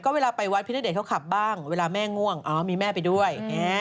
เวลาไปวัดพี่ณเดชนเขาขับบ้างเวลาแม่ง่วงมีแม่ไปด้วย